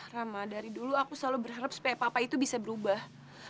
rama dari dulu aku selalu berharap supaya papa itu bisa berubah